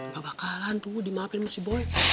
gak bakalan tuh dimaafin sama si boy